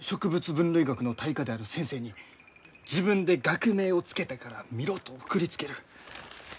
分類学の大家である先生に「自分で学名を付けたから見ろ」と送りつける。